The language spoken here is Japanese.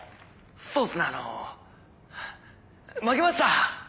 そうっすねあの負けました！